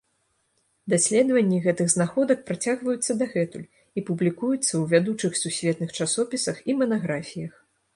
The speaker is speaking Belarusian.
Даследванні гэтых знаходках працягваюцца дагэтуль і публікуюцца ў вядучых сусветных часопісах і манаграфіях.